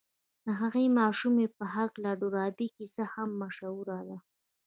د هغې ماشومې په هکله د ډاربي کيسه هم مشهوره ده.